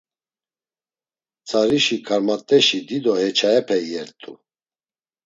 Tzarişi karmat̆eşi dido heçayape iyert̆u.